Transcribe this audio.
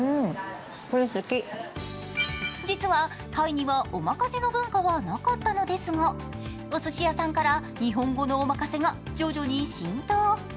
実はタイにはおまかせの文化はなかったのですがお寿司屋さんから日本語の「おまかせ」が徐々に浸透。